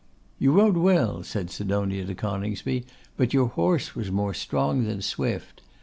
'You rode well,' said Sidonia to Coningsby; 'but your horse was more strong than swift.